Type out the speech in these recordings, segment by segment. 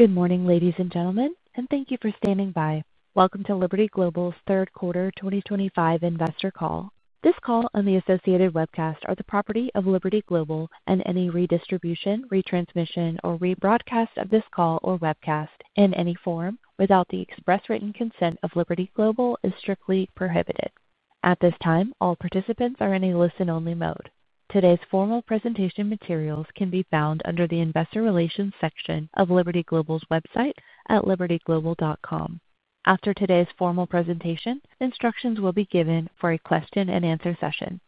Good morning ladies and gentlemen and thank you for standing by. Welcome to Liberty Global's third quarter 2025 investor call. This call and the associated webcast are the property of Liberty Global, and any redistribution, retransmission, or rebroadcast of this call or webcast in any form without the express written consent of Liberty Global is strictly prohibited. At this time, all participants are in a listen-only mode. Today's formal presentation materials can be found under the Investor Relations section of Liberty Global's website and at libertyglobal.com. After today's formal presentation, instructions will be given for a question and answer session.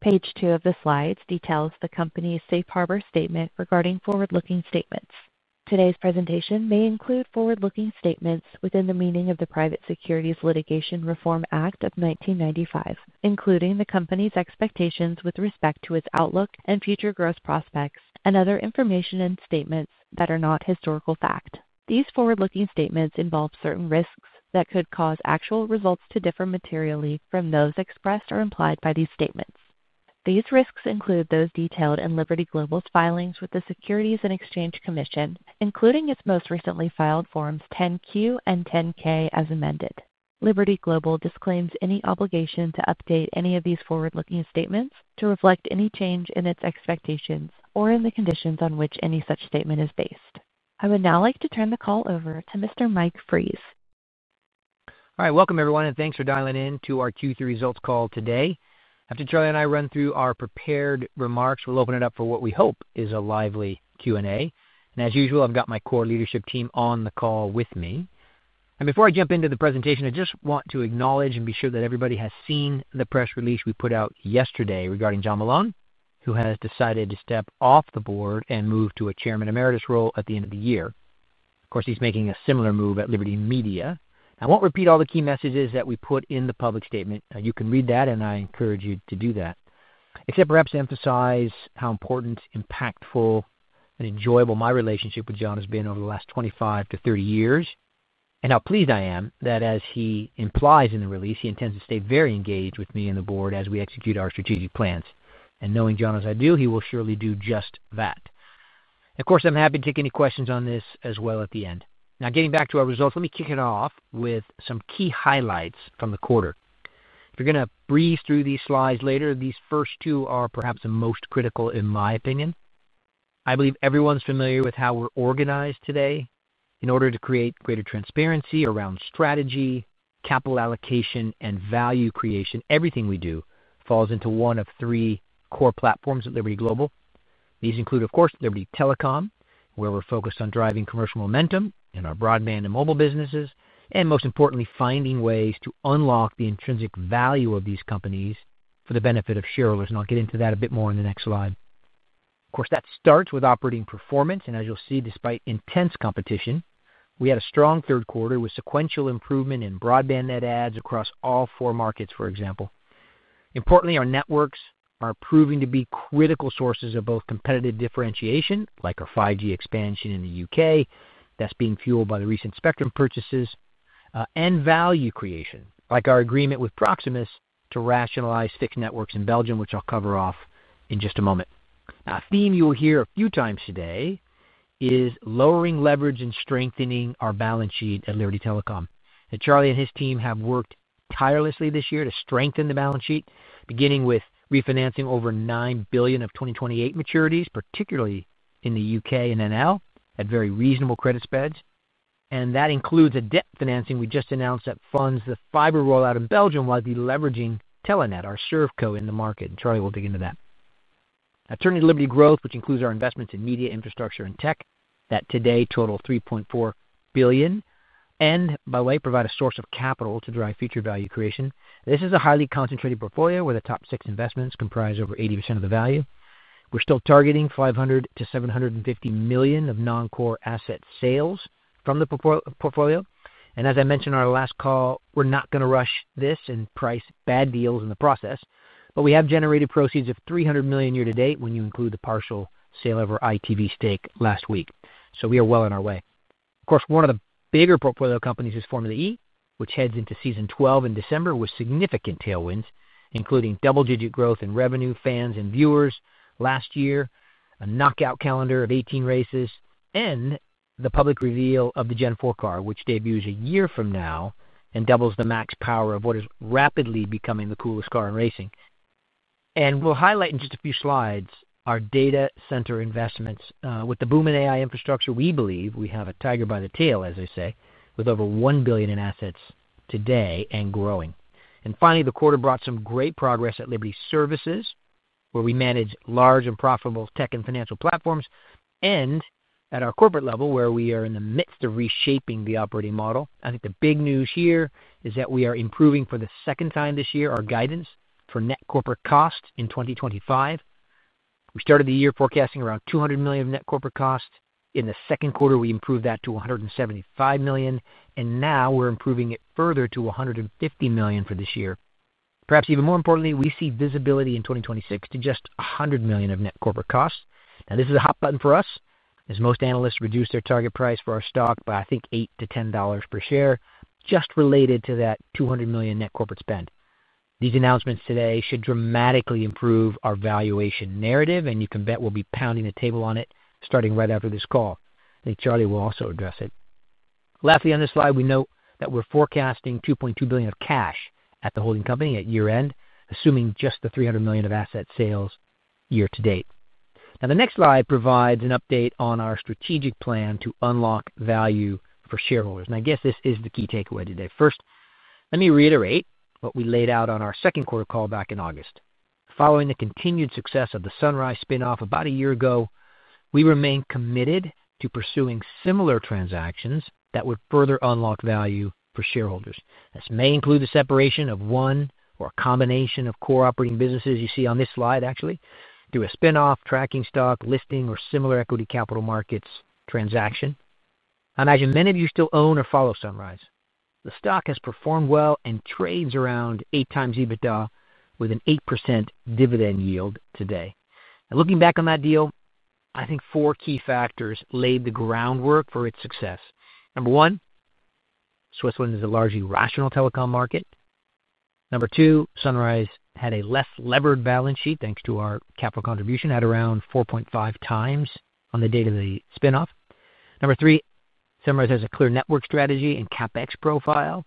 Page 2 of the slides details the Company's safe harbor statement regarding forward-looking statements. Today's presentation may include forward-looking statements within the meaning of the Private Securities Litigation Reform Act of 1995, including the company's expectations with respect to its outlook and future growth prospects, and other information and statements that are not historical fact. These forward-looking statements involve certain risks that could cause actual results to differ materially from those expressed or implied by these statements. These risks include those detailed in Liberty Global's filings with the Securities and Exchange Commission, including its most recently filed Forms 10-Q and 10-K, as amended. Liberty Global disclaims any obligation to update any of these forward-looking statements to reflect any change in its expectations or in the conditions on which any such statement is based. I would now like to turn the call over to Mr. Mike Fries. All right, welcome everyone and thanks for dialing in to our Q3 results call today. After Charlie and I run through our prepared remarks, we'll open it up for what we hope is a lively Q&A. As usual, I've got my core leadership team on the call with me. Before I jump into the presentation, I just want to acknowledge and be sure that everybody has seen the press release we put out yesterday regarding John Malone, who has decided to step off the Board and move to a Chairman Emeritus role at the end of the year. Of course, he's making a similar move at Liberty Media. I won't repeat all the key messages that we put in the public statement. You can read that, and I encourage you to do that. Except perhaps emphasize how important, impactful, and enjoyable my relationship with John has been over the last 25-30 years and how pleased I am that, as he implies in the release, he intends to stay very engaged with me and the Board as we execute our strategic plans. Knowing John as I do, he will surely do just that. Of course, I'm happy to take any questions on this as well at the end. Now, getting back to our results, let me kick it off with some key highlights from the quarter if you're going to breeze through these slides later. These first two are perhaps the most critical in my opinion. I believe everyone's familiar with how we're organized today in order to create greater transparency around strategy, capital allocation, and value creation. Everything we do falls into one of three core platforms at Liberty Global. These include, of course, Liberty Telecom, where we're focused on driving commercial momentum in our broadband and mobile businesses and, most importantly, finding ways to unlock the intrinsic value of these companies for the benefit of shareholders. I'll get into that a bit more in the next slide. Of course, that starts with operating performance and, as you'll see, despite intense competition, we had a strong third quarter with sequential improvement in broadband net adds across all four markets, for example. Importantly, our networks are proving to be critical sources of both competitive differentiation, like our 5G expansion in the U.K. that's being fueled by the recent spectrum purchases, and value creation, like our agreement with Proximus to rationalize fixed networks in Belgium, which I'll cover off in just a moment. A theme you will hear a few times today is lowering leverage and strengthening our balance sheet at Liberty Telecom. Charlie and his team have worked tirelessly this year to strengthen the balance sheet, beginning with refinancing over $9 billion of 2028 maturities, particularly in the U.K. and Netherlands, at very reasonable credit spreads, and that includes a debt financing we just announced that funds the fiber rollout in Belgium while deleveraging Telenet, our ServCo in the market. Charlie will dig into that. Turning to Liberty Growth, which includes our investments in media, infrastructure, and tech that today total $3.4 billion and, by the way, provide a source of capital to drive future value creation. This is a highly concentrated portfolio where the top six investments comprise over 80% of the value. We're still targeting $500 million-$750 million of non-core asset sales from the portfolio and, as I mentioned on our last call, we're not going to rush this and price bad deals in the process, but we have generated proceeds of $300 million year-to-date when you include the partial sale of our ITV stake last week, so we are well on our way. Of course, one of the bigger portfolio companies is Formula E, which heads into season 12 in December with significant tailwinds. Including double-digit growth in revenue fans and viewers last year saw a knockout calendar of 18 races and the public reveal of the Gen 4 car, which debuts a year from now and doubles the max power of what is rapidly becoming the coolest car in racing. We will highlight in just a few slides our data center investments. With the boom in AI infrastructure, we believe we have a tiger by the tail, as they say, with over $1 billion in assets today and growing. Finally, the quarter brought some great progress at Liberty Services, where we manage large and profitable tech and financial platforms, and at our corporate level, where we are in the midst of reshaping the operating model. I think the big news here is that we are improving for the second time this year our guidance for net corporate cost in 2025. We started the year forecasting around $200 million of net corporate cost. In the second quarter, we improved that to $175 million, and now we are improving it further to $150 million for this year. Perhaps even more importantly, we see visibility in 2026 to just $100 million of net corporate costs. Now, this is a hot button for us, as most analysts reduce their target price for our stock by, I think, $8-$10 per share, just related to that $200 million net corporate spend. These announcements today should dramatically improve our valuation narrative, and you can bet we'll be pounding the table on it starting right after this call. I think Charlie will also address it. Lastly, on this slide, we note that we're forecasting $2.2 billion of cash at the holding company at year end, assuming just the $300 million of asset sales year to date. The next slide provides an update on our strategic plan to unlock value for shareholders. I guess this is the key takeaway today. First, let me reiterate what we laid out on our second quarter call back in August. Following the continued success of the Sunrise spin-off about a year ago, we remain committed to pursuing similar transactions that would further unlock value for shareholders. This may include the separation of one or a combination of core operating businesses. You see on this slide actually do a spin-off, tracking stock listing, or similar equity capital markets transaction. I imagine many of you still own or follow Sunrise. The stock has performed well and trades around 8 times EBITDA with an 8% dividend yield today. Looking back on that deal, I think four key factors laid the groundwork for its success. Number one, Switzerland is a largely rational telecom market. Number two, Sunrise had a less levered balance sheet thanks to our capital contribution at around 4.5 times on the date of the spin-off. Number three, Sunrise has a clear network strategy and CapEx profile.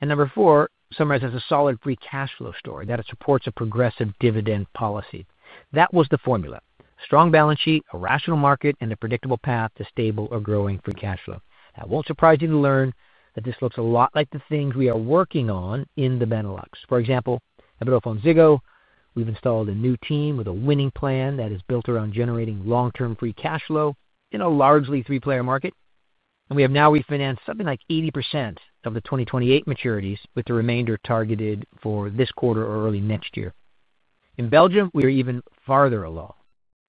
Number four, Sunrise has a solid free cash flow story that supports a progressive dividend policy. That was the formula: strong balance sheet, a rational market, and a predictable path to stable or growing free cash flow. It won't surprise you to learn that this looks a lot like the things we are working on in the Benelux, for example, VodafoneZiggo. We've installed a new team with a winning plan that is built around generating long-term free cash flow in a largely three-player market. We have now refinanced something like 80% of the 2028 maturities, with the remainder targeted for this quarter or early next year. In Belgium, we are even farther along.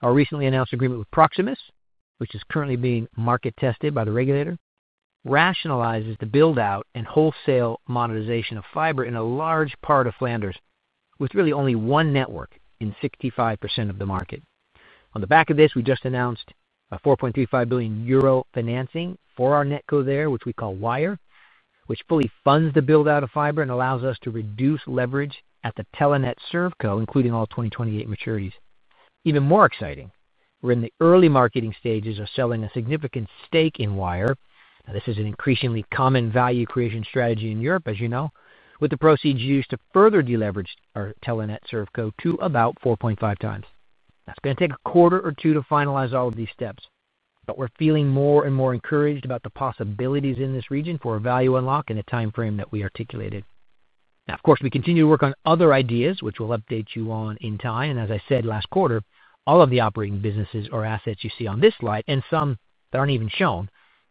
Our recently announced agreement with Proximus, which is currently being market tested by the regulator, rationalizes the build out and wholesale monetization of fiber in a large part of Flanders with really only one network in 65% of the market. On the back of this, we just announced a 4.35 billion euro financing for our NetCo there, which we call Wyre, which fully funds the build out of fiber and allows us to reduce leverage at the Telenet ServCo, including all 2028 maturities. Even more exciting, we're in the early marketing stages of selling a significant stake in Wyre. This is an increasingly common value creation strategy in Europe. As you know, with the proceeds used to further deleverage our Telenet ServCo to about 4.5 times. That's going to take a quarter or two to finalize all of these steps. We are feeling more and more encouraged about the possibilities in this region for a value unlock in the timeframe that we articulated. Of course, we continue to work on other ideas which we'll update you on in time. As I said last quarter, all of the operating businesses or assets you see on this slide, and some that aren't even shown,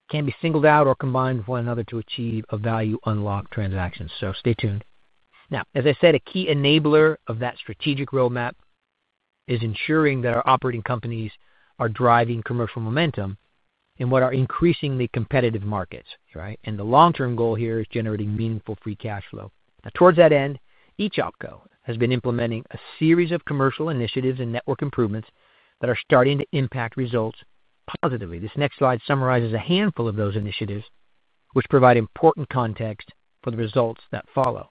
can be singled out or combined with one another to achieve a value unlock transaction. Stay tuned. As I said, a key enabler of that strategic roadmap is ensuring that our operating companies are driving commercial momentum in what are increasingly competitive markets. The long term goal here is generating meaningful free cash flow. Towards that end, each OpCo has been implementing a series of commercial initiatives and network improvements that are starting to impact results positively. This next slide summarizes a handful of those initiatives which provide important context for the results that follow.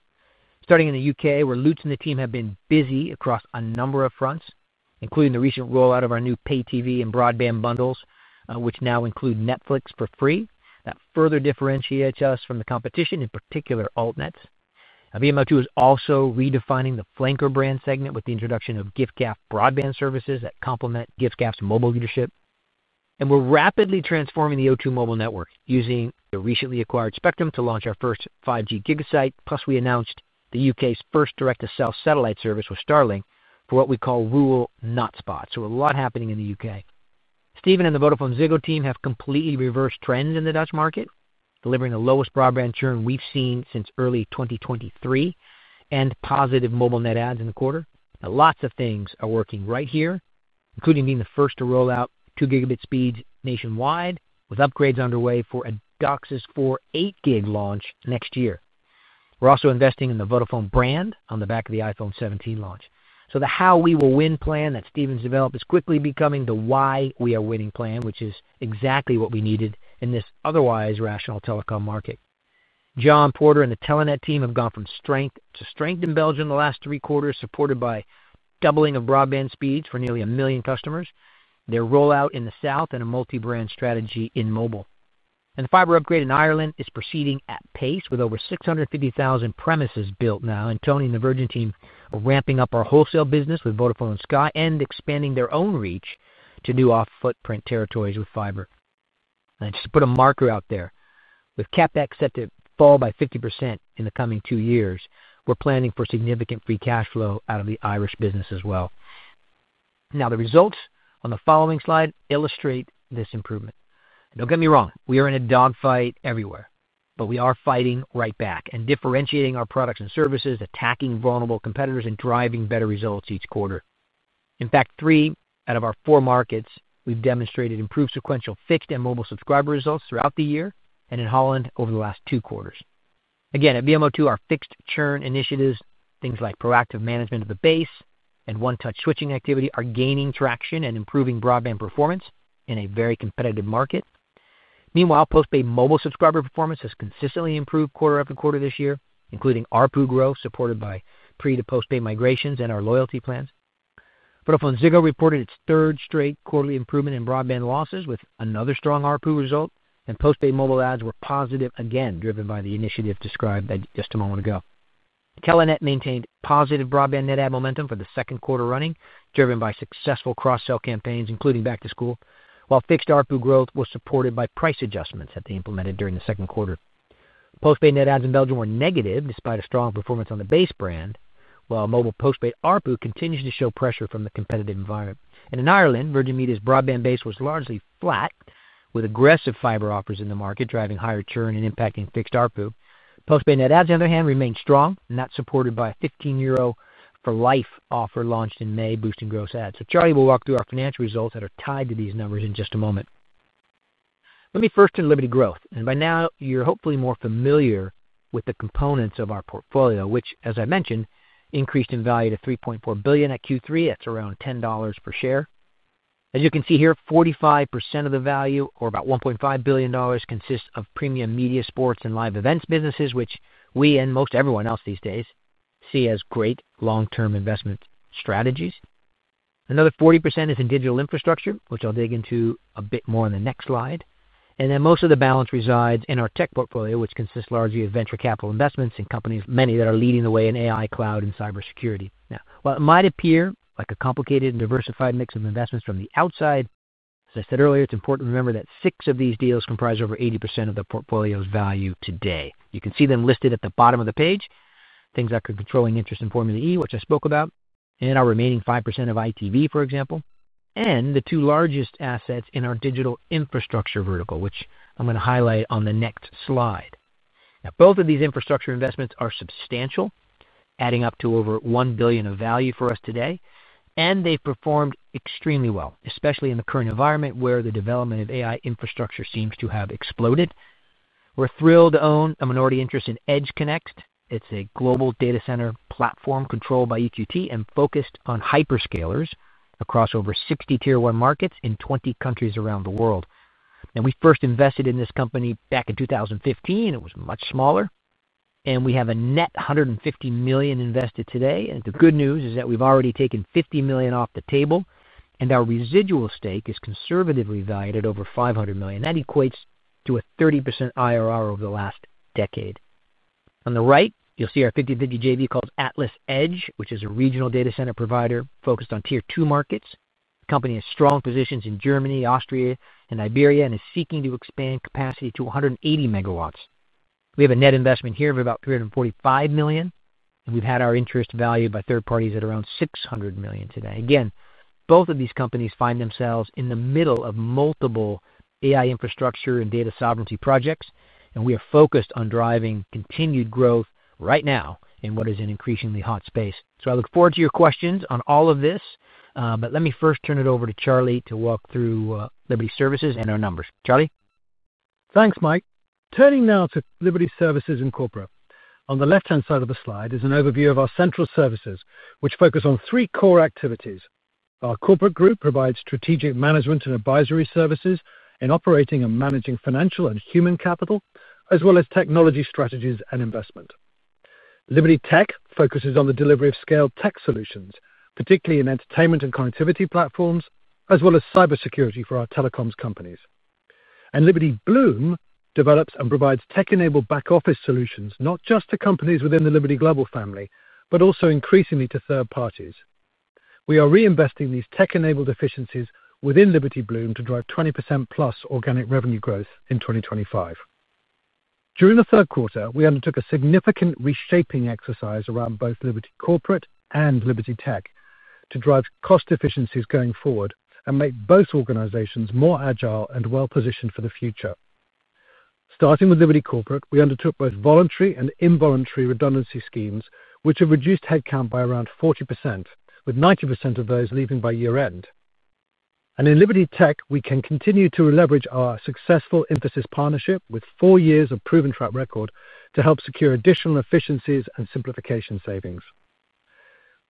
Starting in the U.K., where Lutz and the team have been busy across a number of fronts, including the recent rollout of our new pay TV and broadband bundles, which now include Netflix for free. That further differentiates us from the competition, in particular altnets. VMO2 is also redefining the flanker brand segment with the introduction of GiffGaff broadband services that complement GiffGaff's mobile leadership. We're rapidly transforming the O2 mobile network using the recently acquired spectrum to launch our first 5G Gigasite. Plus, we announced the U.K.'s first direct-to-cell satellite service with Starlink for what we call Rural Not Spot. A lot is happening in the U.K. Stephen and the VodafoneZiggo team have completely reversed trends in the Dutch market, delivering the lowest broadband churn we've seen since early 2023 and positive mobile net adds in the quarter. Lots of things are working right here, including being the first to roll out 2 gigabit speeds nationwide, with upgrades underway for a DOCSIS 4.0 gig launch next year. We're also investing in the Vodafone brand on the back of the iPhone 17 launch. The how we will win plan that Stephen's developed is quickly becoming the why we are winning plan, which is exactly what we needed in this otherwise rational telecom market. John Porter and the Telenet team have gone from strength to strength in Belgium, the last three quarters supported by doubling of broadband speeds for nearly a million customers, their rollout in the south, and a multi-brand strategy in mobile. The fiber upgrade in Ireland is proceeding at pace with over 650,000 premises built now. Tony and the Virgin Media Ireland team are ramping up our wholesale business with Vodafone and Sky and expanding their own reach to new off-footprint territories with fiber, just to put a marker out there. With CapEx set to fall by 50% in the coming two years, we're planning for significant free cash flow out of the Irish business as well. The results on the following slide illustrate this improvement. Don't get me wrong, we are in a dogfight everywhere, but we are fighting right back and differentiating our products and services, attacking vulnerable competitors, and driving better results each quarter. In fact, in three out of our four markets we've demonstrated improved sequential fixed and mobile subscriber results throughout the year. In Holland over the last two quarters, again at VMO2, our fixed churn initiatives, things like proactive management of the base and one-touch switching activity, are gaining traction and improving broadband performance in a very competitive market. Meanwhile, postpay mobile subscriber performance has consistently improved quarter after quarter this year, including ARPU growth supported by pre to postpay migrations and our loyalty plans. VodafoneZiggo reported its third straight quarterly improvement in broadband losses with another strong ARPU result, and postpaid mobile adds were positive, again driven by the initiative described just a moment ago. Telenet maintained positive broadband net add momentum for the second quarter, driven by successful cross-sell campaigns including Back to School, while fixed ARPU growth was supported by price adjustments that they implemented during the second quarter. Postpaid net adds in Belgium were negative despite a strong performance on the base brand, while mobile postpaid ARPU continues to show pressure from the competitive environment. In Ireland, Virgin Media's broadband base was largely flat, with aggressive fiber offers in the market driving higher churn and impacting fixed ARPU. Postpaid net adds, on the other hand, remained strong, now supported by a 15 euro for life offer launched in May, boosting gross adds. Charlie will walk through our financial results that are tied to these numbers in just a moment. Let me first turn to Liberty Growth and by now you're hopefully more familiar with the components of our portfolio, which as I mentioned increased in value to $3.4 billion at Q3. That's around $10 per share. As you can see here, 45% of the value, or about $1.5 billion, consists of premium media, sports and live events businesses, which we and most everyone else these days see as great long-term investment strategies. Another 40% is in digital infrastructure, which I'll dig into a bit more in the next slide. Most of the balance resides in our tech portfolio, which consists largely of venture capital investments and companies, many that are leading the way in AI, cloud and cybersecurity. While it might appear like a complicated and diversified mix of investments from the outside, as I said earlier, it's important to remember that six of these deals comprise over 80% of the portfolio's value today. You can see them listed at the bottom of the page, things like controlling interest in Formula E, which I spoke about, and our remaining 5% of ITV, for example, and the two largest assets in our digital infrastructure vertical, which I'm going to highlight on the next slide. Both of these infrastructure investments are substantial, adding up to over $1 billion of value for us today. They've performed extremely well, especially in the current environment where the development of AI infrastructure seems to have exploded. We're thrilled to own a minority interest in EdgeConneX. It's a global data center platform controlled by EQT and focused on hyperscalers across over 60 tier one markets in 20 countries around the world. We first invested in this company back in 2015. It was much smaller and we have a net $150 million invested today. The good news is that we've already taken $50 million off the table and our residual stake is conservatively valued at over $500 million. That equates to a 30% IRR over the last decade. On the right you'll see our 50/50 JV called AtlasEdge, which is a regional data center provider focused on tier 2 markets. The company has strong positions in Germany, Austria, and Iberia and is seeking to expand capacity to 180 MW. We have a net investment here of about $345 million and we've had our interest valued by third parties at around $600 million. Today both of these companies find themselves in the middle of multiple AI, infrastructure, and data sovereignty projects and we are focused on driving continued growth right now in what is an increasingly hot space. I look forward to your questions on all of this, but let me first turn it over to Charlie to walk through Liberty Services and our numbers. Charlie? Thanks, Mike. Turning now to Liberty Services, on the left-hand side of the slide is an overview of our central services, which focus on three core activities. Our corporate group provides strategic management and advisory services in operating and managing financial and human capital, as well as technology strategies and investment. Liberty Tech focuses on the delivery of scale tech solutions, particularly in entertainment and connectivity platforms, as well as cybersecurity for our telecoms companies. Liberty Blume develops and provides tech-enabled back office solutions not just to companies within the Liberty Global family, but also increasingly to third parties. We are reinvesting these tech-enabled efficiencies within Liberty Blume to drive 20%+ organic revenue growth in 2025. During the third quarter, we undertook a significant reshaping exercise around both Liberty Corporate and Liberty Tech to drive cost efficiencies going forward and make both organizations more agile and well positioned for the future. Starting with Liberty Corporate, we undertook both voluntary and involuntary redundancy schemes, which have reduced headcount by around 40%, with 90% of those leaving by year-end. In Liberty Tech, we continue to leverage our successful Infosys partnership with four years of proven track record to help secure additional efficiencies and simplification savings.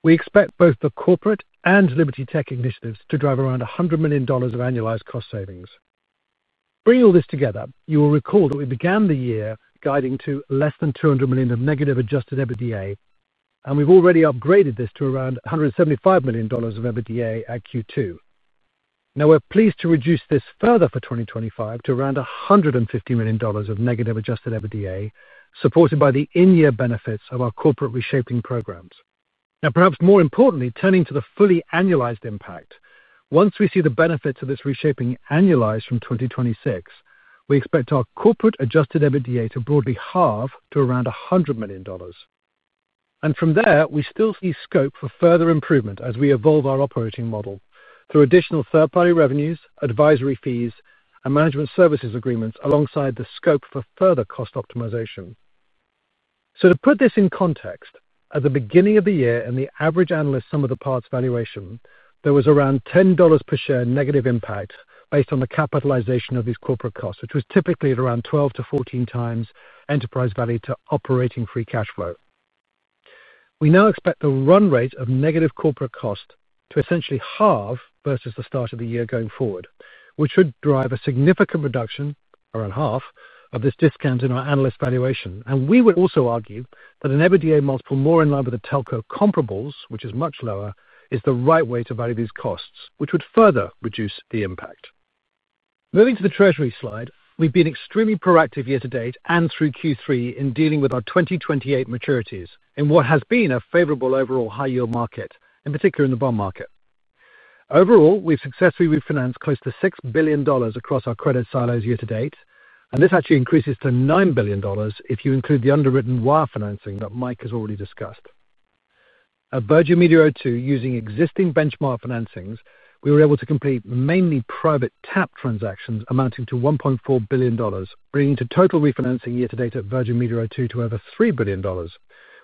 We expect both the corporate and Liberty Tech initiatives to drive around $100 million of annualized cost savings. Bringing all this together, you will recall that we began the year guiding to less than $200 million of negative Adjusted EBITDA, and we've already upgraded this to around $175 million of EBITDA at Q2. Now we're pleased to reduce this further for 2025 to around $150 million of negative Adjusted EBITDA, supported by the in-year benefits of our corporate reshaping programs. Perhaps more importantly, turning to the fully annualized impact, once we see the benefits of this reshaping annualized from 2026, we expect our corporate Adjusted EBITDA to broadly halve to around $100 million. From there, we still see scope for further improvement as we evolve our operating model through additional third-party revenues, advisory fees, and management services agreements, alongside the scope for further cost optimization. To put this in context, at the beginning of the year and the average analyst sum of the parts valuation, there was around $10 per share negative impact. Based on the capitalization of these corporate costs, which was typically at around 12-14 times enterprise value to operating free cash flow, we now expect the run rate of negative corporate cost to essentially halve versus the start of the year going forward, which should drive a significant reduction, around half of this discount, in our analyst valuation. We would also argue that an EBITDA multiple more in line with the telco comparables, which is much lower, is the right way to value these costs, which would further reduce the impact. Moving to the treasury slide, we've been extremely proactive year to date and through Q3 in dealing with our 2028 maturities in what has been a favorable overall high yield market, in particular in the bond market. Overall, we've successfully refinanced close to $6 billion across our credit silos year to date, and this actually increases to $9 billion if you include the underwritten Wyre financing that Mike has already discussed at Virgin Media O2. Using existing benchmark financings, we were able to complete mainly private TAP transactions amounting to $1.4 billion, bringing the total refinancing year to date at Virgin Media O2 to over $3 billion,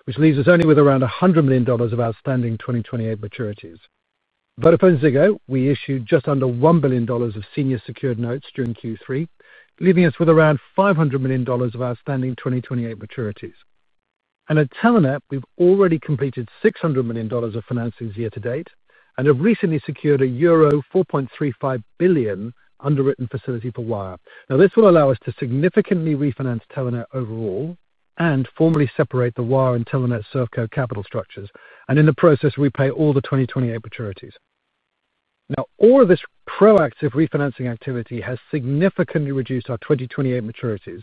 which leaves us only with around $100 million of 2028 maturities. At VodafoneZiggo, we issued just under $1 billion of senior secured notes during Q3, leaving us with around $500 million of outstanding 2028 maturities. At Telenet, we've already completed $600 million of financings year to date and have recently secured a euro 4.35 billion underwritten facility for Wyre. This will allow us to significantly refinance Telenet overall and formally separate the Wyre and Telenet ServCo capital structures and in the process repay all the 2028 maturities. All of this proactive refinancing activity has significantly reduced our 2028 maturities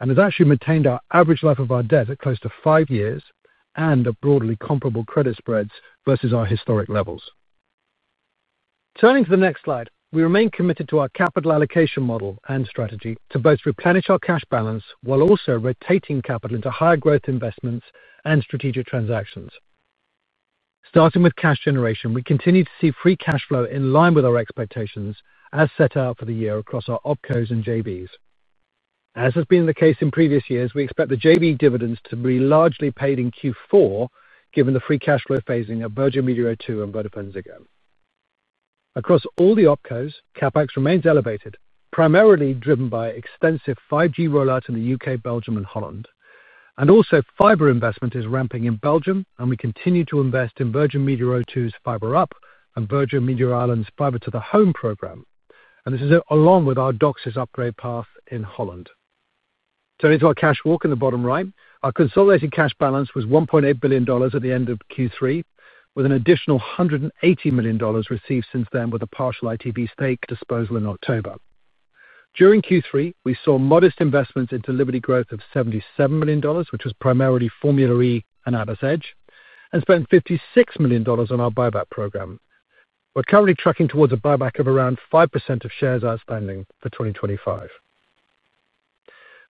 and has actually maintained the average life of our debt at close to five years and at broadly comparable credit spreads versus our historic levels. Turning to the next slide, we remain committed to our capital allocation model and strategy to both replenish our cash balance while also rotating capital into higher growth investment strategic transactions. Starting with cash generation, we continue to see free cash flow in line with our expectations as set out for the year across our OpCos and JVs. As has been the case in previous years, we expect the JV dividends to be largely paid in Q4 given the free cash flow phasing of Virgin Media O2 and VodafoneZiggo across all the OpCos. CapEx remains elevated, primarily driven by extensive 5G rollout in the U.K., Belgium, and Netherlands, and also fiber investment is ramping in Belgium. We continue to invest in Virgin Media O2's fiber upgrade and Virgin Media Ireland's fiber to the home program, and this is along with our DOCSIS upgrade path in Netherlands. Turning to our cash walk in the bottom right, our consolidated cash balance was $1.8 billion at the end of Q3 with an additional $180 million received since then with a partial Wyre stake disposal in October. During Q3 we saw modest investments into Liberty Growth of $77 million, which was primarily Formula E and AtlasEdge, and spent $56 million on our buyback program. We're currently tracking towards a buyback of around 5% of shares outstanding for 2025.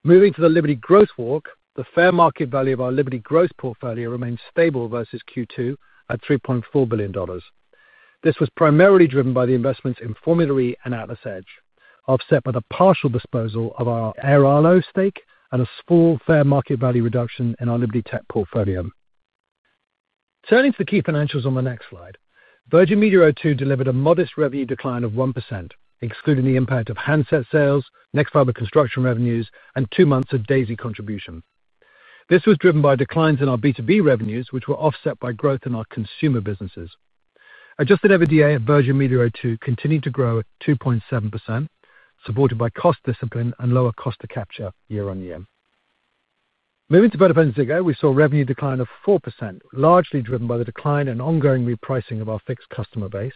Moving to the Liberty Growth walk, the fair market value of our Liberty Growth portfolio remains stable versus Q2 at $3.4 billion. This was primarily driven by the investments in Formula E and AtlasEdge, offset by the partial disposal of our Airalo stake and a small fair market value reduction in our Liberty Tech portfolio. Turning to the key financials on the next slide, Virgin Media O2 delivered a modest revenue decline of 1% excluding the impact of handset sales, nexfibre construction revenues, and two months of Daisy contribution. This was driven by declines in our B2B revenues which were offset by growth in our consumer businesses. Adjusted EBITDA at Virgin Media O2 continued to grow at 2.7% supported by cost discipline and lower cost to capture year on year. Moving to VodafoneZiggo, we saw revenue decline of 4% largely driven by the decline in ongoing repricing of our fixed customer base.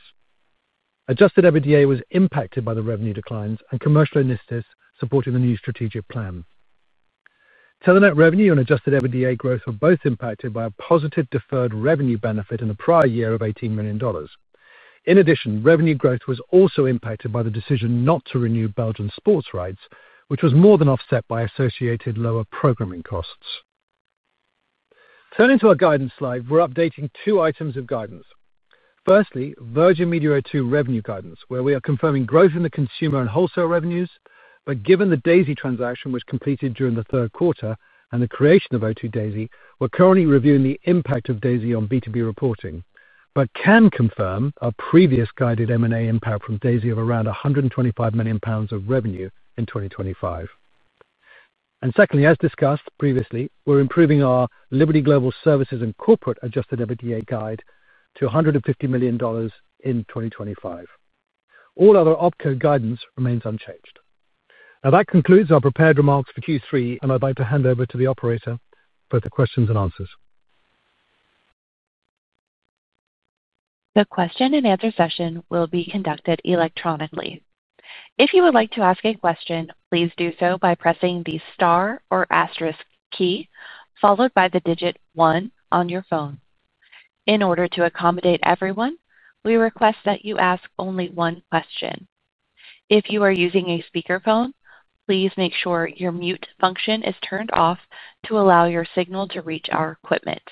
Adjusted EBITDA was impacted by the revenue declines and commercial initiatives supporting the new strategic plan. Telenet revenue and Adjusted EBITDA growth were both impacted by a positive deferred revenue benefit in the prior year of $18 million. In addition, revenue growth was also impacted by the decision not to renew Belgian sports rights, which was more than offset by associated lower programming costs. Turning to our guidance slide, we're updating two items of guidance. Firstly, Virgin Media O2 revenue guidance where we are confirming growth in the consumer and wholesale revenues. Given the Daisy transaction which completed during the third quarter and the creation of O2 Daisy, we're currently reviewing the impact of Daisy on B2B reporting, but can confirm our previous guided M&A impact from Daisy of around 125 million pounds of revenue in 2025. Secondly, as discussed previously, we're improving our Liberty Global Services and Corporate Adjusted EBITDA guide to $150 million in 2025. All other OpCo guidance remains unchanged. That concludes our prepared remarks for Q3 and I'd like to hand over to the operator for the questions-and-answers. The question-and-answer session will be conducted electronically. If you would like to ask a question, please do so by pressing the star or asterisk key followed by the digit one on your phone. In order to accommodate everyone, we request that you ask only one question. If you are using a speakerphone, please make sure your mute function is turned off to allow your signal to reach our equipment.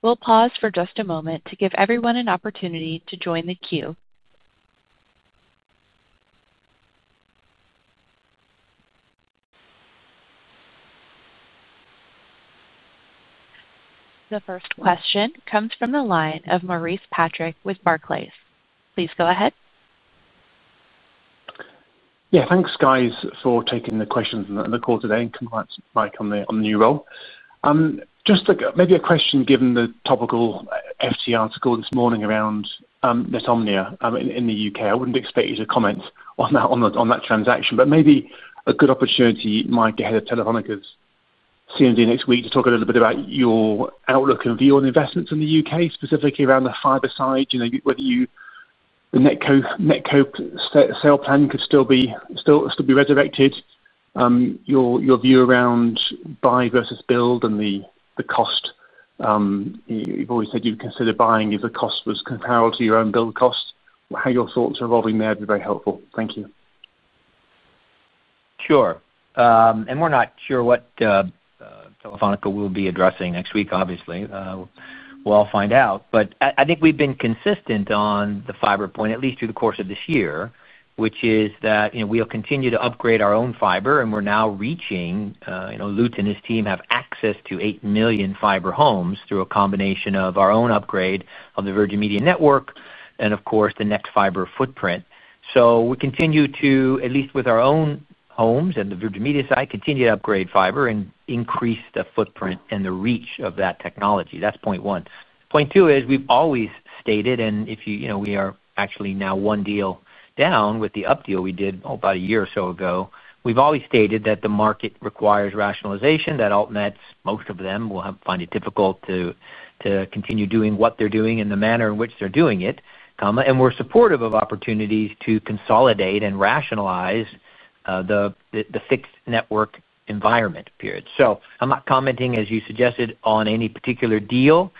We'll pause for just a moment to give everyone an opportunity to join the queue. The first question comes from the line of Maurice Patrick with Barclays. Please go ahead. Yeah, thanks guys for taking the questions in the call today. Congrats Mike, on the new role. Just maybe a question, given the topical FT article this morning around Netomnia in the U.K., I wouldn't expect you to comment on that transaction, but maybe a good opportunity, Mike, ahead of Telefónica's CMD next week to talk a little bit about your outlook and view on investments in the U.K., specifically around the fiber side, whether the NetCo sale plan could still be resurrected. Your view around buy versus build and the cost you've always said you'd consider buying if the cost was comparable to your own build cost. How your thoughts are robbing there would be very helpful. Thank you. Sure. We're not sure what Telefónica will be addressing next week. Obviously, we'll found out. I think we've been consistent on the fiber point, at least through the course of this year, which is that we'll continue to upgrade our own fiber and we're now reaching Lutz and his team have access to 8 million fiber homes through a combination of our own upgrade of the Virgin Media network and of course the Nexfibre footprint. We continue to, at least with our own homes and the Virgin Media side, continue to upgrade fiber and increase the footprint and the reach of that technology. That's point one. Point two is we've always stated, and if you know, we are actually now one deal down with the Up deal we did about a year or so ago, we've always stated that the market requires rationalization, that Altnets, most of them will find it difficult to continue doing what they're doing in the manner in which they're doing it. We are supportive of opportunities to consolidate and rationalize the fixed network environment. I am not commenting, as you suggested, on any particular deal.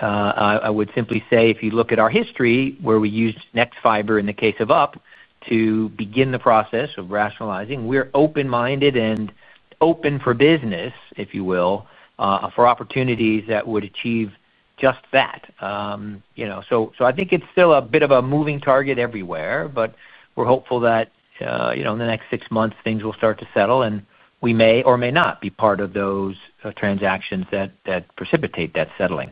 I would simply say if you look at our history where we used Nexfibre in the case of UP to begin the process of rationalizing, we are open minded and open for business, if you will, for opportunities that would achieve just that. I think it is still a bit of a moving target everywhere. We are hopeful that in the next six months things will start to settle and we may or may not be part of those transactions that precipitate that settling.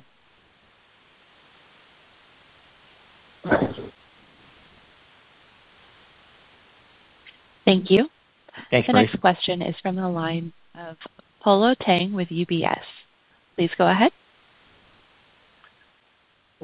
Thank you. The next question is from the line of Polo Tang with UBS. Please go ahead.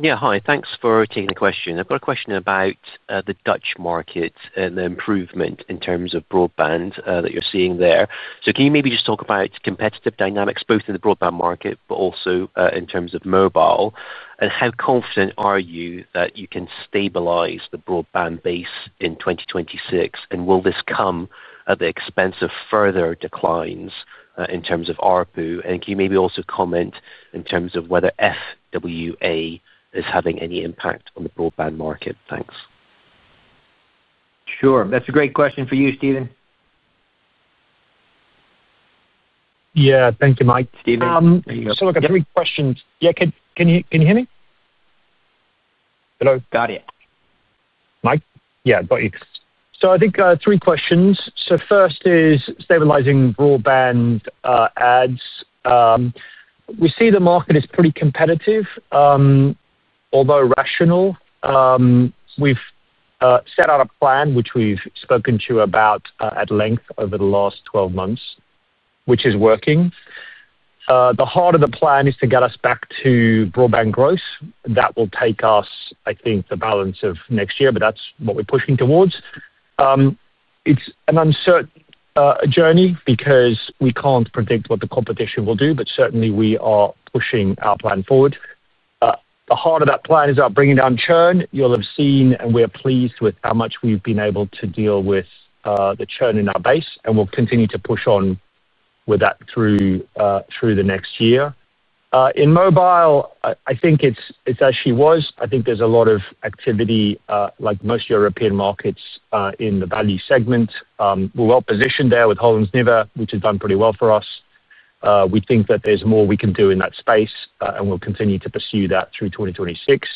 Yeah, hi, thanks for taking the question. I've got a question about the Dutch market and the improvement in terms of broadband that you're seeing there. Can you maybe just talk about competitive dynamics, both in the broadband market but also in terms of mobile, and how confident are you that you can stabilize the broadband base in 2026? Will this come at the expense of further declines in terms of ARPU? Can you maybe also comment on whether FWA is having. Any impact on the broadband market? Thanks. Sure. That's a great question for you, Stephen. Yeah, thank you, Mike. I've got three questions. Yeah, can you hear me? Hello? Got it, Mike? Yeah, got you. I think three questions. First is stabilizing broadband ads. We see the market is pretty competitive, although rational. We've set out a plan which we've spoken to you about at length over the last 12 months, which is working. The heart of the plan is to get us back to broadband growth that will take us, I think, the balance of next year, but that's what we're pushing towards. It's an uncertain journey because we can't predict what the competition will do. Certainly, we are pushing our plan forward. The heart of that plan is bringing down churn. You'll have seen, and we're pleased with how much we've been able to deal with the churn in our base, and we'll continue to push on with that through the next year. In mobile, I think it's as she was. I think there's a lot of activity. Like most European markets in the value segment, we're well positioned there with Holland's Niva, which has done pretty well for us. We think that there's more we can do in that space, and we'll continue to pursue that through 2026.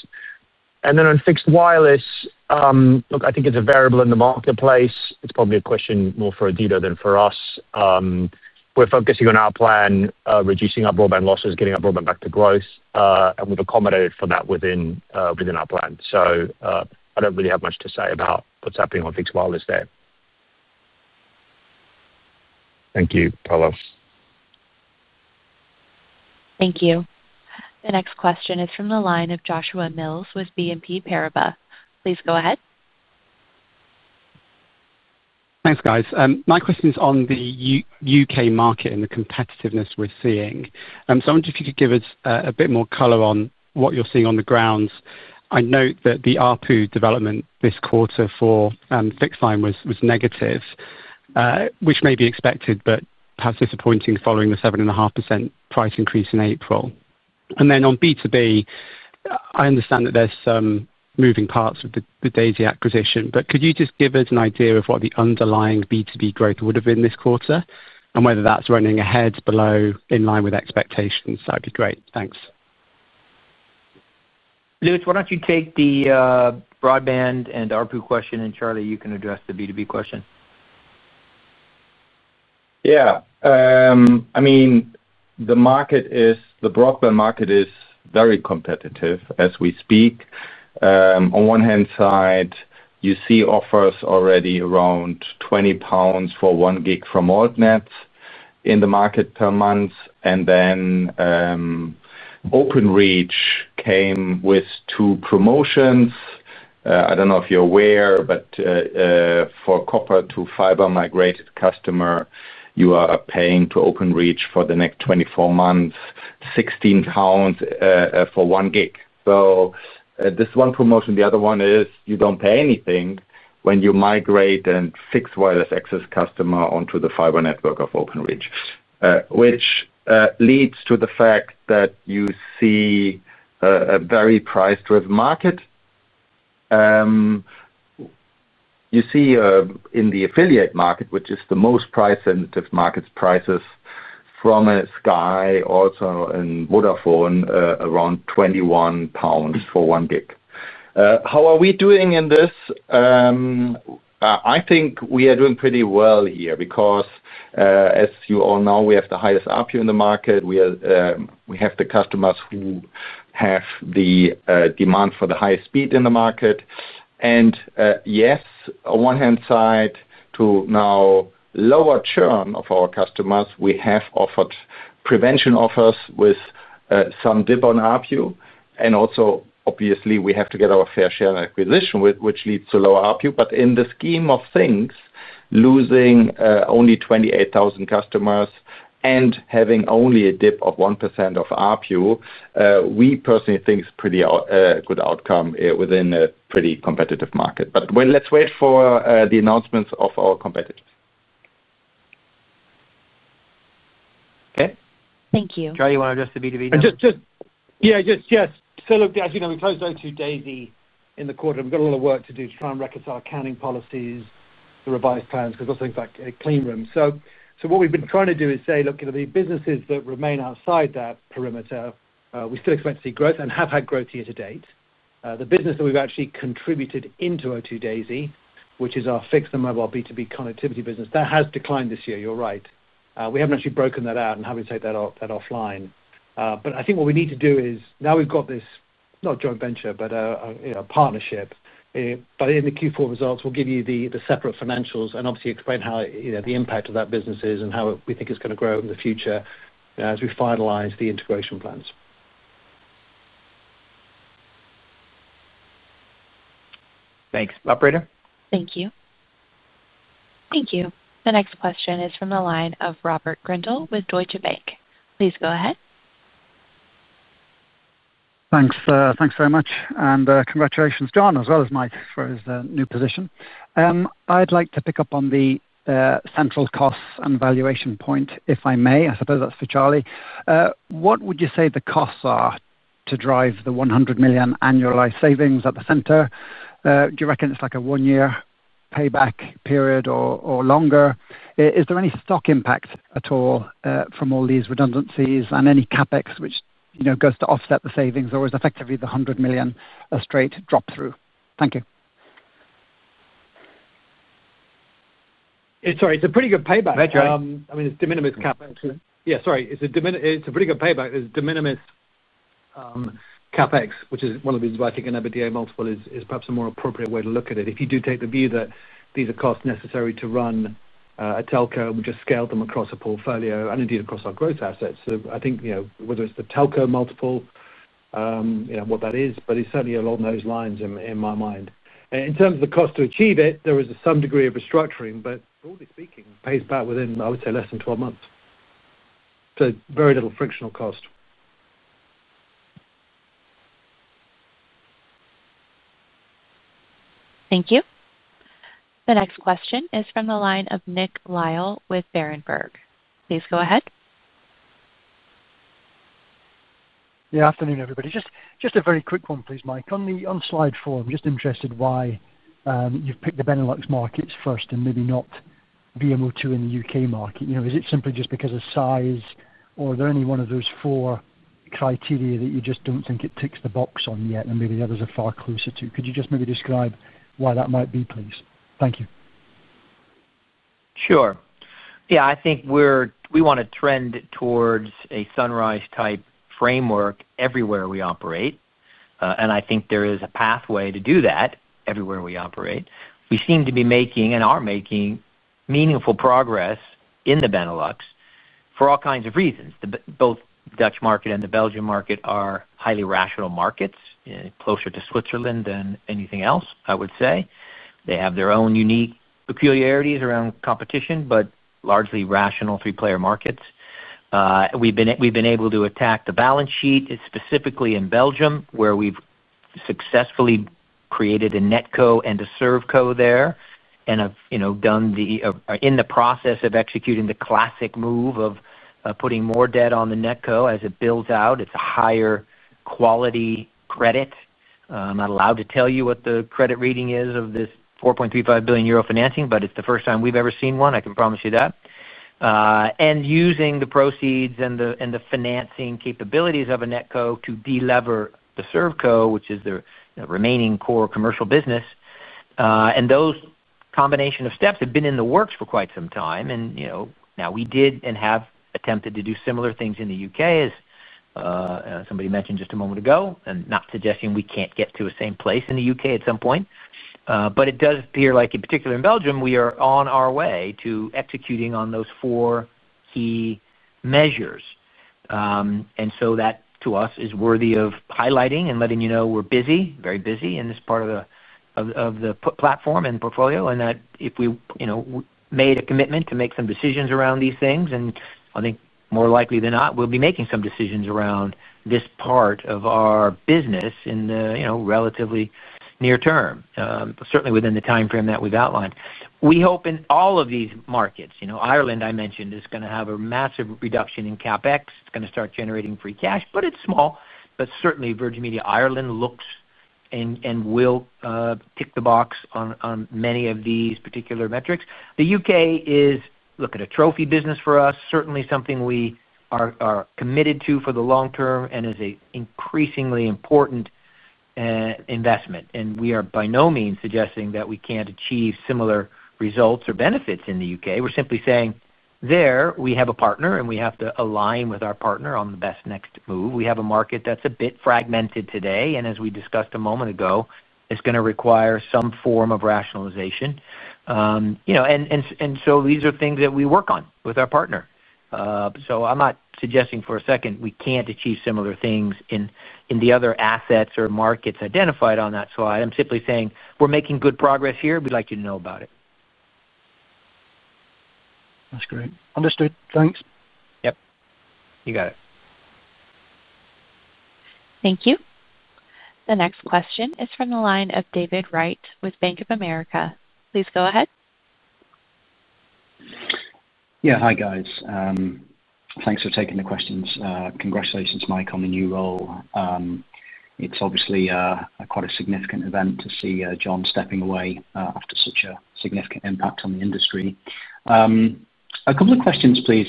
On fixed wireless, I think it's a variable in the marketplace. It's probably a question more for than for us. We're focusing on our plan, reducing our broadband losses, getting our broadband back to growth, and we've accommodated for that within our plan. I don't really have much to say about what's happening on fixed wireless there. Thank you, Polo. Thank you. The next question is from the line of Joshua Mills with BNP Paribas. Please go ahead. Thanks guys. My question is on the U.K. market and the competitiveness we're seeing. I wondered if you could give us a bit more color on what you're seeing on the grounds. I note that the ARPU development this quarter for fixed line was negative, which may be expected, but perhaps disappointing following the 7.5% price increase in April. On B2B, I understand that there's some moving parts of the Daisy acquisition, but could you just give us an idea of what the underlying B2B growth would have been this quarter and whether that's running ahead, below, or in line with expectations. That would be great. Thanks. Lutz, why don't you take the broadband and ARPU question, and Charlie, you can address the B2B question. Yeah, I mean the market is. The broadband market is very competitive as we speak. On one hand side you see offers already around 20 pounds for 1GB from Altnet in the market per month, and then Openreach came with two promotions. I don't know if you're aware, but for copper to fiber migrated customer you are paying to Openreach for the next 24 months 16 pounds for 1GB. So this one promotion, the other one is you don't pay anything when you migrate a free fixed wireless access customer onto the fiber network of Openreach, which leads to the fact that you see a very price driven market. You see in the affiliate market, which is the most price sensitive market, prices from Sky also in Vodafone, around 21 pounds for 1GB, how are we doing in this? I think we are doing pretty well here because as you all know we have the highest ARPU in the market. We have the customers who have the demand for the highest speed in the market. Yes, on one hand side to now lower churn of our customers, we have offered prevention offers with some dip on ARPU. Also, obviously we have to get our fair share acquisition which leads to lower ARPU. In the scheme of things, losing only 28,000 customers and having only a dip of 1% of ARPU we personally think is pretty good outcome within a pretty competitive market. Let's wait for the announcements of our competitors. Okay? Thank you. Charlie, you want to address the B2B? Yeah. Just so as you know, we closed O2 Daisy in the quarter. We've got a lot of work to do to try and reconcile accounting policies, the revised plans because also in fact clean room. What we've been trying to do is say, look, the businesses that remain outside that perimeter, we still expect to see growth and have had growth year to date. The business that we've actually contributed into O2 Daisy, which is our fixed, the mobile B2B connectivity business, that has declined this year. You're right, we haven't actually broken that out and having to take that offline. I think what we need to do is now we've got this, not joint venture but partnership. In the Q4 results we'll give you the separate financials and obviously explain how the impact of that business is and how we think it's going to grow in the future as we finalize the integration plans. Thanks, Operator? Thank you. Thank you. The next question is from the line of Robert Grindle with Deutsche Bank. Please go ahead. Thanks very much and congratulations John as well as Mike for his new position. I'd like to pick up on the central costs and valuation point, if I may. I suppose that's for Charlie. What would you say the costs are to drive the $100 million annualized savings at the center? Do you reckon it's like a one year payback period or longer? Is there any stock impact at all from all these redundancies and any CapEx which goes to offset the savings or is effectively the $100 million a straight drop through. Thank you. It's a pretty good payback. It's de minimis CapEx. It's a pretty good payback. There's de minimis CapEx, which is one of the reasons why I think an EBITDA multiple is perhaps a more appropriate way to look at it. If you do take the view that these are costs necessary to run a telco and we just scale them across a portfolio and indeed across our growth assets, I think whether it's the telco multiple, what that is, but it's certainly along those lines in my mind in terms of the cost to achieve it. There is some degree of restructuring, but broadly speaking, pays back within, I would say, less than 12 months. Very little frictional cost. Thank you. The next question is from the line of Nick Lyall with Berenberg. Please go ahead. Good afternoon everybody. Just a very quick one, please. Mike, on slide 4. I'm just interested why you've picked the Benelux markets first and maybe not VMO2 in the U.K. market. Is it simply just because of size or is there any one of those four criteria that you just don't think it ticks the box on yet and maybe others are far closer to? Could you just maybe describe why that might be, please? Thank you. Sure, yeah. I think we want to trend towards a Sunrise type framework everywhere we operate, and I think there is a pathway to do that everywhere we operate. We seem to be making and are making meaningful progress in the Benelux for all kinds of reasons. Both Dutch market and the Belgian market are highly rational markets, closer to Switzerland than anything else, I would say. They have their own unique peculiarities around competition, but largely rational. Three player markets, we've been able to attack the balance sheet, specifically in Belgium where we've successfully created a NetCo and a ServCo there, and done the process of executing the classic move of putting more debt on the NetCo as it builds out. It's a higher quality credit. I'm not allowed to tell you what the credit rating is of this 4.35 billion euro financing, but it's the first time we've ever seen one, I can promise you that. Using the proceeds and the financing capabilities of a NetCo to delever the ServCo, which is their remaining core commercial business, those combination of steps have been in the works for quite some time. Now we did and have attempted to do similar things in the U.K., as somebody mentioned just a moment ago, and not suggesting we can't get to the same place in the U.K. at some point, it does appear like in particular in Belgium, we are on our way to executing on those four key measures. That to us is worthy of highlighting and letting you know we're busy, very busy in this part of the platform and portfolio, and that if we made a commitment to make some decisions around these things, I think more likely than not we'll be making some decisions around this part of our business in the relatively near term, certainly within the timeframe that we've outlined. We hope in all of these markets. Ireland I mentioned is going to have a massive reduction in CapEx. It's going to start generating free cash, but it's small. Certainly Virgin Media Ireland looks and will tick the box on many of these particular metrics. The U.K. is looking at a trophy business for us, certainly something we are committed to for the long term and is an increasingly important investment. We are by no means suggesting that we can't achieve similar results or benefits in the U.K. We're simply saying there we have a partner and we have to align with our partner on the best next move. We have a market that's a bit fragmented today, and as we discussed a moment ago, it's going to require some form of rationalization. These are things that we work on with our partner. I'm not suggesting for a second we can't achieve similar things in the other assets or markets identified on that slide. I'm simply saying we're making good progress here. We'd like you to know about it. That's great. Understood, thanks. Yep, you got it. Thank you. The next question is from the line of David Wright with Bank of America. Please go ahead. Yeah, hi, guys. Thanks for taking the questions. Congratulations, Mike, on the new role. It's obviously quite a significant event to see John stepping away after such a significant impact on the industry. A couple of questions, please.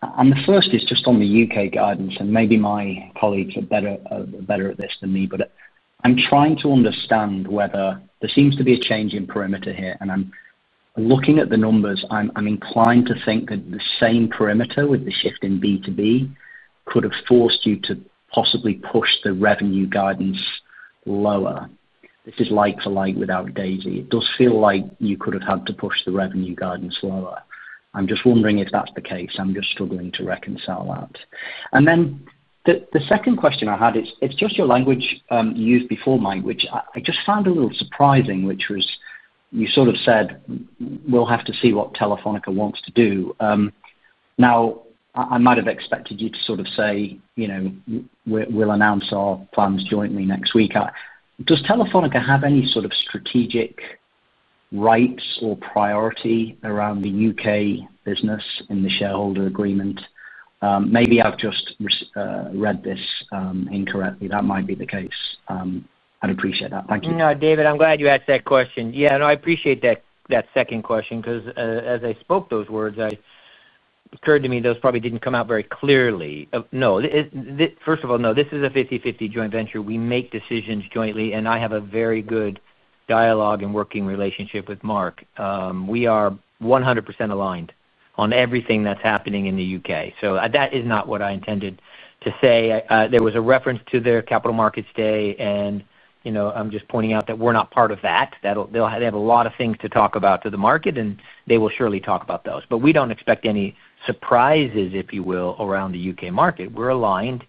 The first is just on the U.K. guidance, and maybe my colleagues are better at this than me, but I'm trying to understand whether there seems to be a change in perimeter here. I'm looking at the numbers. I'm inclined to think that the same perimeter with the shift in B2B could have forced you to possibly push the revenue guidance lower. This is like for like without Daisy. It does feel like you could have had to push the revenue guidance lower. I'm just wondering if that's the case. I'm just struggling to reconcile that. The second question I had is it's just your language you used before, Mike, which I just found a little surprising, which was you sort of said, we'll have to see what Telefónica wants to do. Now, I might have expected you to sort of say, you know, we'll announce our plans jointly next week. Does Telefónica have any sort of strategic rights or priority around the U.K. business in the shareholder agreement? Maybe I've just read this incorrectly. That might be the case. I'd appreciate that. Thank you. David, I'm glad you asked that question. I appreciate that second question, because as I spoke, those words occurred to me. Those probably didn't come out very clearly. No, first of all, this is a 50/50 joint venture. We make decisions jointly, and I have a very good dialogue and working relationship with Mark. We are 100% aligned on everything that's happening in the U.K. That is not what I intended to say. There was a reference to the capital markets day, and I'm just pointing out that we're not part of that. They have a lot of things to talk about to the market, and they will surely talk about those, but we don't expect any surprises, if you will, around the U.K. market. We're aligned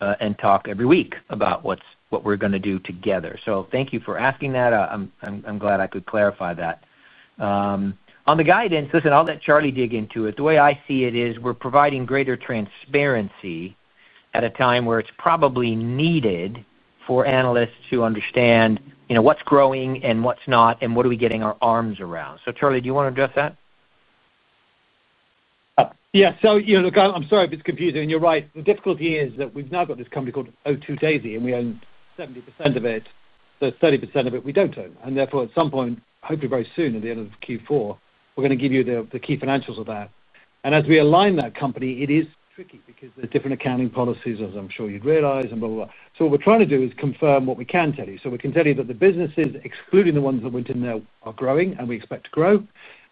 and talk every week about what we're going to do together. Thank you for asking that. I'm glad I could clarify that on the guidance. I'll let Charlie dig into it. The way I see it is we're providing greater transparency at a time where it's probably needed for analysts to understand what's growing and what's not, and what are we getting our arms around. Charlie, do you want to address that? Yes. I'm sorry if it's confusing. You're right. The difficulty is that we've now got this company called O2 Daisy and we own 70% of it, so 30% of it we don't own. Therefore, at some point, hopefully very soon, at the end of Q4, we're going to give you the key financials of that. As we align that company, it is tricky because there are different accounting policies, as I'm sure you'd realize, and blah, blah. What we're trying to do is confirm what we can tell you, so we can tell you that the businesses excluding the ones that went in there are growing and we expect to grow.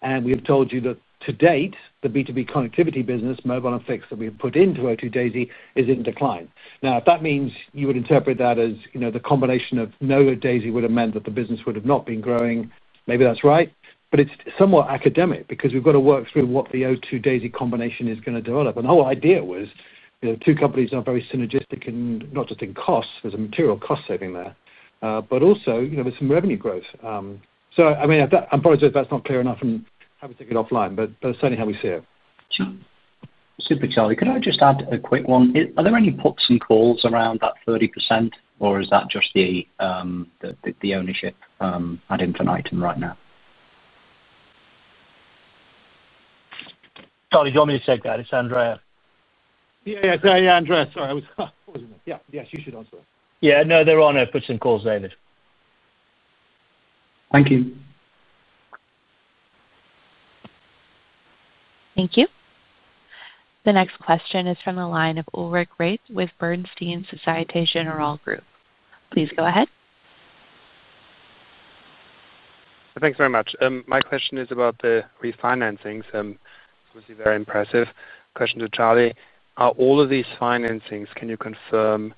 We have told you that to date. The B2B connectivity business, mobile and fixed that we've put into O2 Daisy, is in decline. Now, if that means you would interpret that as the combination of no Daisy would have meant that the business would have not been growing, maybe that's right, but it's somewhat academic because we've got to work through what the O2 Daisy combination is going to develop. The whole idea was two companies are very synergistic, not just in cost, there's a material cost saving there, but also there's some revenue growth. I apologize if that's not clear enough and happy to take it offline, but that's certainly how we see it. Super, Charlie, could I just add a quick one? Are there any puts and calls around that 30% or is that just the ownership at infinitum right now? Charlie, do you want me to take that? It's Andrea. Yes, Andrea. Sorry, I was pausing that. Yeah. Yes, you should answer that. Yeah, no, they're on air. Puts and calls. David. Thank you. Thank you. The next question is from the line of Ulrich Rathe with Bernstein Societe Generale Group. Please go ahead. Thanks very much. My question is about the refinancings, which is very impressive. Question to Charlie, are all of these financings, can you confirm,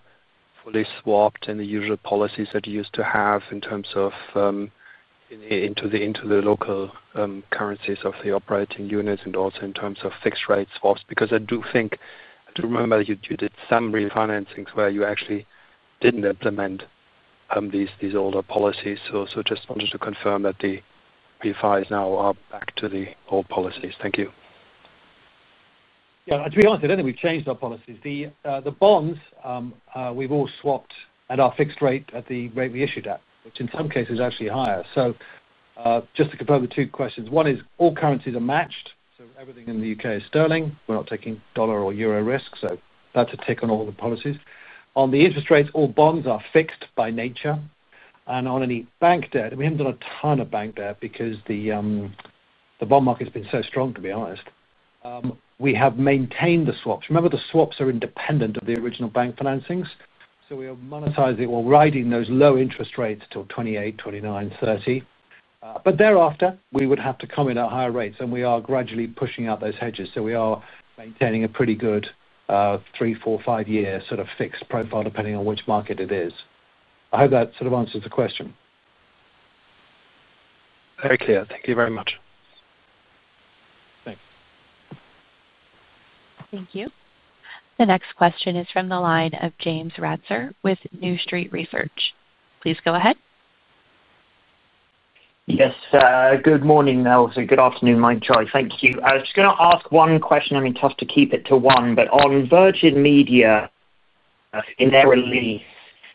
fully swapped in the usual policies that you used to have in terms of into the local currencies of the operating units and also in terms of fixed rate swaps, because I do think, I do remember you did some refinancings where you actually didn't implement these older policies. Just wanted to confirm that the refis now are back to the old policies. Thank you. To be honest, I don't think we've changed our policies. The bonds, we've all swapped at our fixed rate, at the rate we issued at, which in some cases actually higher. Just to confirm the two questions, one is all currencies are matched, so everything in the U.K. is sterling. We're not taking dollar or euro risk. That's a tick on all the policies on the interest rates, all bonds are fixed by nature and on any bank debt. We haven't done a ton of bank debt because the bond market has been so strong, to be honest, we have maintained the swaps. Remember, the swaps are independent of the original bank financings. We are monetizing or riding those low interest rates till 2028, 2029, 2030, but thereafter we would have to come in at higher rates and we are gradually pushing out those hedges. We are maintaining a pretty good 3, 4, 5 year sort of fixed profile, depending on which market it is. I hope that sort of answers the question. Very clear. Thank you very much. Thanks. Thank you. The next question is from the line of James Ratzer with New Street Research. Please go ahead. Yes, good morning, Good afternoon, Mike, Charlie, Thank you. I was going to ask one question. I mean, tough to keep it to one, but on Virgin Media in their release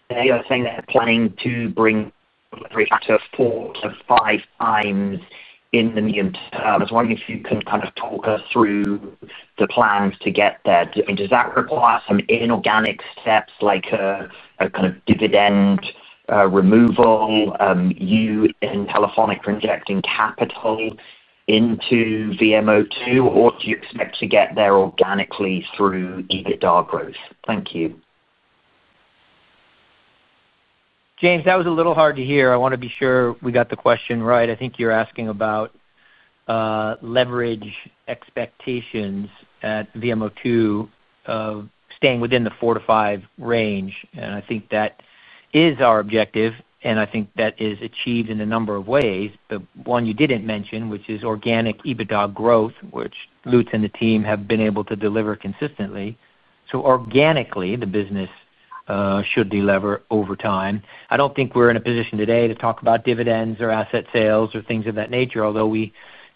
they are saying they're planning to bring to four to five times in the mean term. I was wondering if you can kind of talk us through the plans to get there. Does that require some inorganic steps like a kind of dividend removal, you in telephonic rejecting capital into VMO2, or do you expect to get there organically through EBITDA growth? Thank you. James, that was a little hard to hear. I want to be sure we got the question right. I think you're asking about leverage expectations at VMO2 staying within the 4-5 range. I think that is our objective, and I think that is achieved in a number of ways. One you didn't mention, which is organic EBITDA growth, which Lutz and the team have been able to deliver consistently, so organically the business should delever over time. I don't think we're in a position today to talk about dividends or asset sales or things of that nature, although we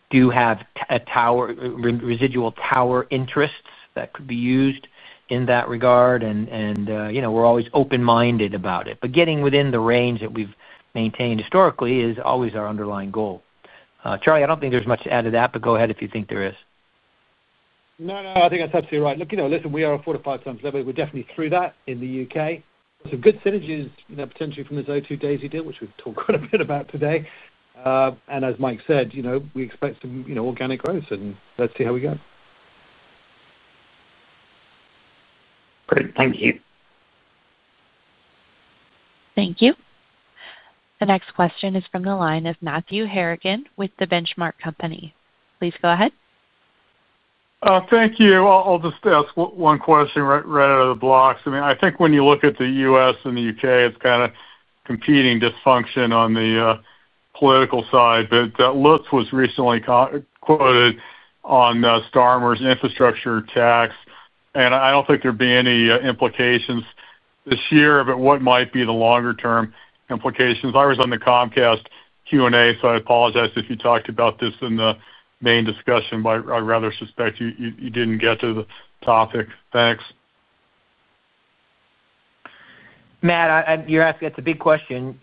do have residual tower interests that could be used in that regard. You know, we're always open minded about it, but getting within the range that we've maintained historically is always our underlying goal. Charlie, I don't think there's much to add, but go ahead if you think there is. No, I think that's absolutely right. Look, you know, we are at four to five times leverage. We're definitely through that in the U.K. Some good synergies potentially from this O2 Daisy deal, which we've talked quite a bit about today. As Mike said, we expect some organic growth and let's see how we go. Great, thank you. Thank you. The next question is from the line of Matthew Harrigan with The Benchmark Company. Please go ahead. Thank you. I'll just ask one question right out of the blocks. I think when you look at the U.S. and the U.K., it's kind of competing dysfunction on the political side. Lutz was recently quoted on Starmer's infrastructure tax, and I don't think there'd be any implications this year, but what might be the longer term implications? I was on the Comcast Q&A, so I apologize if you talked about this in the main discussion, but I rather suspect you didn't get to the topic. Thanks. Matt, you're asking that's a big question,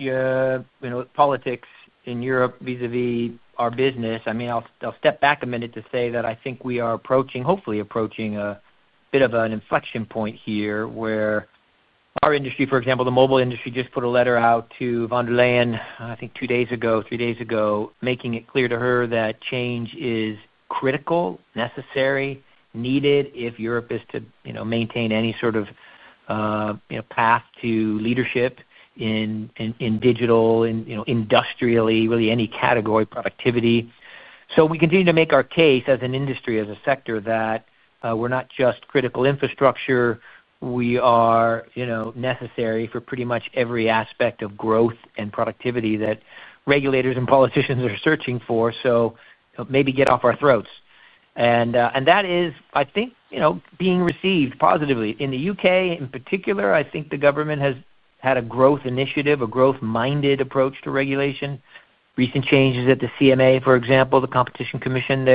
politics in Europe vis a vis our business. I mean, I'll step back a minute to say that I think we are approaching, hopefully approaching a bit of an inflection point here where our industry, for example, the mobile industry, just put a letter out to von der Leyen I think two days ago, three days ago, making it clear to her that change is critical, necessary, needed if Europe is to maintain any sort of path to leadership in digital industrially, really any category productivity. We continue to make our case as an industry, as a sector that we're not just critical infrastructure. We are necessary for pretty much every aspect of growth and productivity that regulators and politicians are searching for. Maybe get off our throats and that is, I think, being received positively. In the U.K. in particular, I think the government has had a growth initiative, a growth-minded approach to regulation. Recent changes at the CMA, for example the Competition Commission,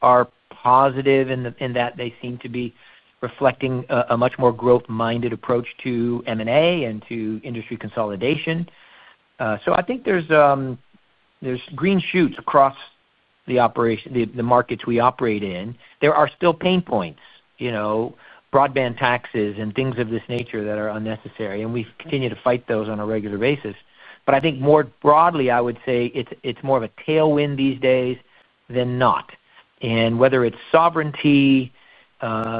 are positive in that they seem to be reflecting a much more growth-minded approach to M&A and to industry consolidation. I think there's green shoots across the markets we operate in. There are still pain points, you know, broadband taxes and things of this nature that are unnecessary and we continue to fight those on a regular basis. I think more broadly I would say it's more of a tailwind these days than not. Whether it's sovereignty,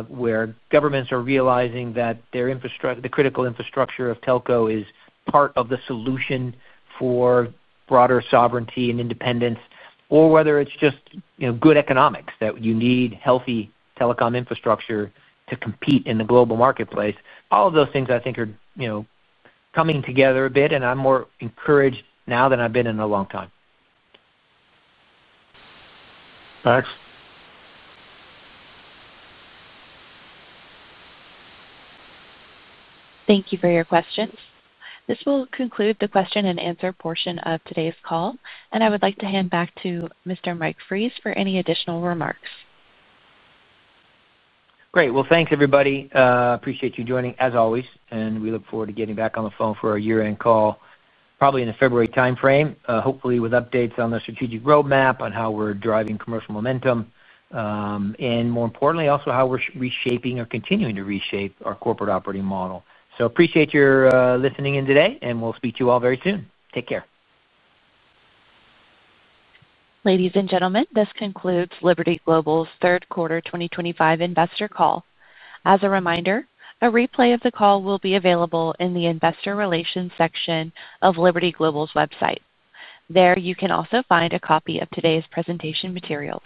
where governments are realizing that the critical infrastructure of telco is part of the solution for broader sovereignty and independence, or whether it's just good economics that you need healthy telecom infrastructure to compete in the global marketplace, all of those things I think are coming together a bit and I'm more encouraged now than I've been in a long time. Thanks. Thank you for your questions. This will conclude the question-and-answer portion of today's call, and I would like to hand back to Mr. Mike Fries for any additional remarks. Great. Thank you everybody. Appreciate you joining as always. We look forward to getting back on the phone for our year end call, probably in the February timeframe, hopefully with updates on the strategic roadmap, on how we're driving commercial momentum, and more importantly also how we're reshaping or continuing to reshape our corporate operating model. Appreciate your listening in today and we'll speak to you all very soon. Take care. Ladies and gentlemen, this concludes Liberty Global's third quarter 2025 investor call. As a reminder, a replay of the call will be available in the Investor Relations section of Liberty Global's website. There you can also find a copy of today's presentation materials.